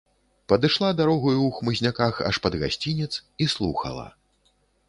Падышла дарогаю ў хмызняках аж пад гасцінец і слухала.